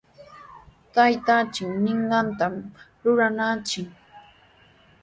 Taytanchik ninqantami rurananchik.